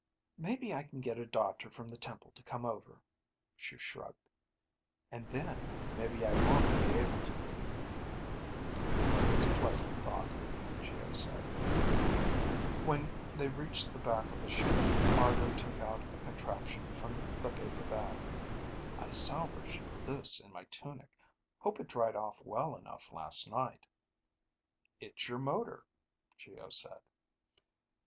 "Maybe I can get a doctor from the temple to come over," she shrugged. "And then, maybe I won't be able to." "It's a pleasant thought," Geo said. When they reached the back of the ship, Argo took out a contraption from the paper bag. "I salvaged this in my tunic. Hope I dried it off well enough last night." "It's your motor," Geo said.